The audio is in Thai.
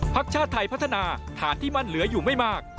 ชาติไทยพัฒนาฐานที่มั่นเหลืออยู่ไม่มาก